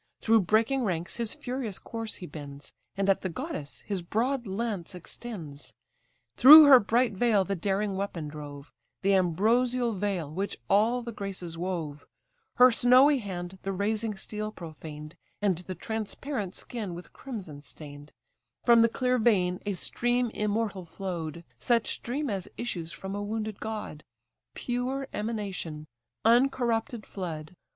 Through breaking ranks his furious course he bends, And at the goddess his broad lance extends; Through her bright veil the daring weapon drove, The ambrosial veil which all the Graces wove; Her snowy hand the razing steel profaned, And the transparent skin with crimson stain'd, From the clear vein a stream immortal flow'd, Such stream as issues from a wounded god; Pure emanation! uncorrupted flood!